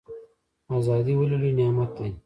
ازادي ولې لوی نعمت دی؟